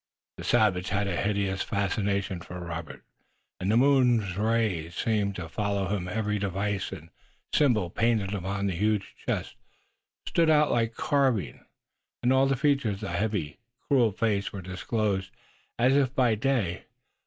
The savage had a hideous fascination for Robert, and the moon's rays seemed to follow him. Every device and symbol painted upon the huge chest stood out like carving, and all the features of the heavy, cruel face were disclosed as if by day.